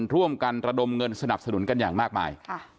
ร่วมกันระดมเงินสนับสนุนกันอย่างมากมาย